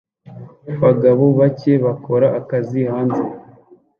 Abagabo bake bakora akazi hanze